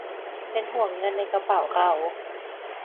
เป็นห่วงเงินในกระเป๋าเรา